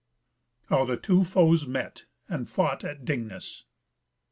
How the two Foes met and fought at Dingness.